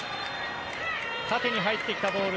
縦に入ってきたボール